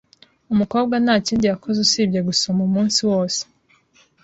Umukobwa ntakindi yakoze usibye gusoma umunsi wose.